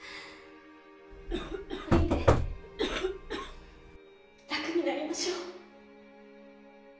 降りて楽になりましょう。